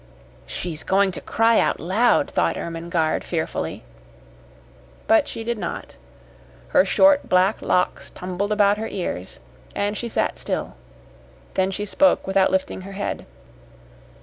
"She's going to cry out loud," thought Ermengarde, fearfully. But she did not. Her short, black locks tumbled about her ears, and she sat still. Then she spoke without lifting her head.